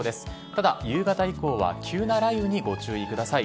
ただ、夕方以降は急な雷雨にご注意ください。